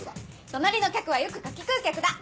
隣の客はよく柿食う客だ。